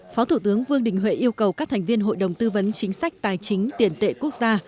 phó thủ tướng vương đình huệ yêu cầu các thành viên hội đồng tư vấn chính sách tài chính tiền tệ quốc gia